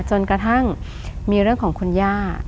จนกระทั่งมีเรื่องของคุณย่า